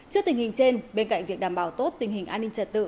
trước tình hình trên bên cạnh việc đảm bảo tốt tình hình an ninh trật tự